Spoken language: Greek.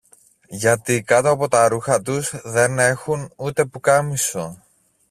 Γιατί κάτω από τα ρούχα τους δεν έχουν ούτε πουκάμισο!